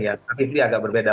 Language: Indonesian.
yang akhirnya agak berbeda